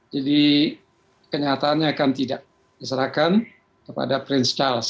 jadi kenyataannya akan tidak diserahkan kepada prince charles